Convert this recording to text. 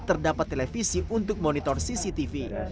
terdapat televisi untuk monitor cctv